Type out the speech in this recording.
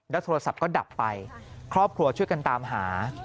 โทรศัพท์ก็ดับไปครอบครัวช่วยกันตามหา